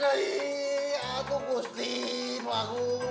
tidak ada iya aku pustin aku